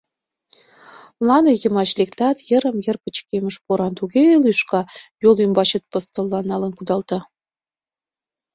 Мланде йымач лектат — йырым-йыр пычкемыш, поран туге лӱшка — йол ӱмбачет пыстылла налын кудалта.